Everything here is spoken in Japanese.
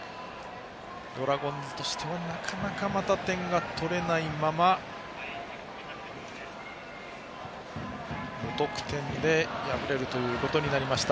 ドラゴンズとしてはまた、なかなか点が取れないまま無得点で敗れることになりました。